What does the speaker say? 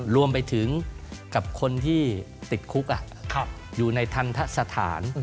รวมไปถึงกับคนที่ติดคุกอยู่ในทันทะสถาน